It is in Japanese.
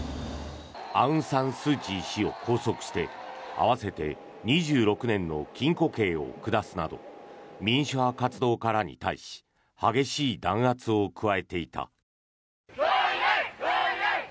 アウンサンスーチー氏を拘束して合わせて２６年の禁錮刑を下すなど民主派活動家らに対し激しい弾圧を加えていた。